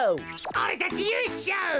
おれたちゆうしょう！